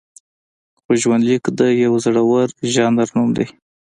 خو ژوندلیک د یوه زړور ژانر نوم دی.